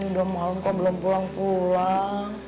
ini udah malem kok belum pulang pulang